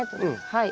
はい。